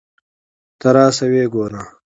ته راشه ویې ګوره.